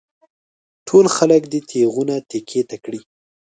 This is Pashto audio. ټول خلک دې تېغونه تېکې ته کړي.